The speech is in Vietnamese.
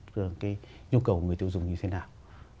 cái nhu cầu của người tiêu dùng như thế nào